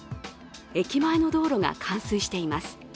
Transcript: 駅前の道路が冠水しています。